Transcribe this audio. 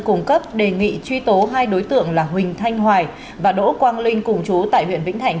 cung cấp đề nghị truy tố hai đối tượng là huỳnh thanh hoài và đỗ quang linh cùng chú tại huyện vĩnh thành